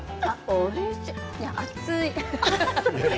おいしい。